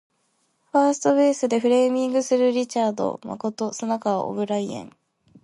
ファーストベースでフレーミングするリチャード誠砂川オブライエン